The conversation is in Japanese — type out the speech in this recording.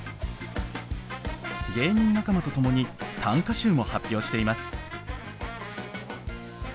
芸人仲間と共に短歌集も発表しています。